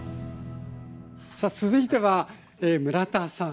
さあ続いては村田さん